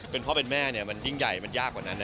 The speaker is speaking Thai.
เป็นพ่อเป็นแม่มันยิ่งใหญ่มันยากกว่านั้น